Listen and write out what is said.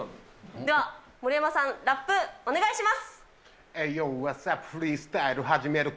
では盛山さん、ラップ、お願いします。